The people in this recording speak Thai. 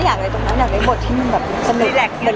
แค่อยากเปล่าสมอดแต่ก็ไม่ใช่เปล่าซะทีเดียวมันก็มีอะไรก็อะ